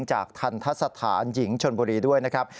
จากทัณฑษฐานหญิงชนบรีด้วยนะครับ